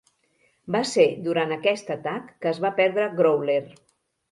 Va ser durant aquest atac que es va perdre "Growler".